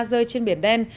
rơi trên biển đen